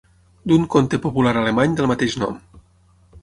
D'un conte popular alemany del mateix nom.